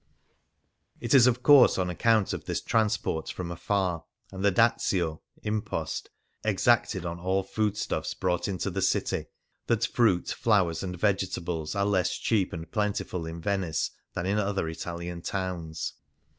It is, of course, on account of this transport from afar and the dazio (impost) exacted on all food stuffs brought into the city, that fruit, flowers, and vegetables are less cheap and plen tiful in Venice than in other Italian towns.